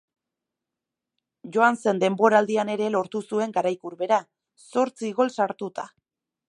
Joan zen denboraldian ere lortu zuen garaikur bera, zortzi gol sartuta.